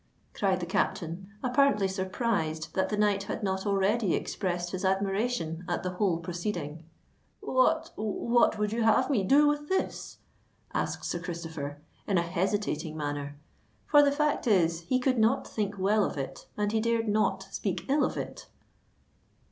cried the captain, apparently surprised that the knight had not already expressed his admiration at the whole proceeding. "What—what would you have me do with this?" asked Sir Christopher, in a hesitating manner; for the fact is, he could not think well of it, and he dared not speak ill of it.